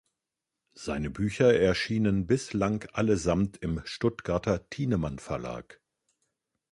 Seine Bücher erschienen bislang allesamt im Stuttgarter Thienemann Verlag.